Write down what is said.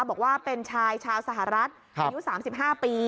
บอกว่าเป็นชายชาวสหรัฐอายุ๓๕ปี